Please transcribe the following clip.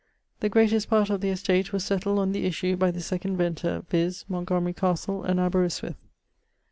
The greatest part of the estate was settled on the issue by the 2d venter, viz. Montgomery castle, and Aberystwith.